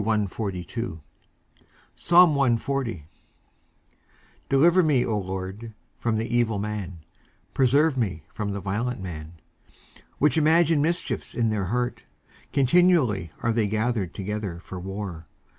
19:140:001 Deliver me, O LORD, from the evil man: preserve me from the violent man; 19:140:002 Which imagine mischiefs in their heart; continually are they gathered together for war.